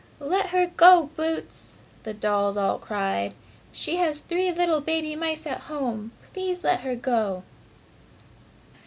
"Let her go, Boots!" the dolls all cried, "She has three little baby mice at home! Please let her go!"